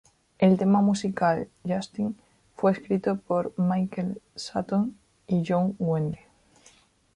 El tema musical "Justine" fue escrito por Michael Sutton y Young Wendy.